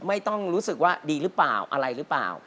ไม่ต้องรู้สึกว่าดีหรือเปล่าอะไรหรือเปล่า